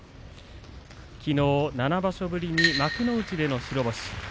きのう７場所ぶりに幕内での白星。